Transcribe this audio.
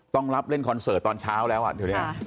ต้องรับเล่นคอนเสิร์ตตอนเช้าแล้วอ่ะเดี๋ยวนี้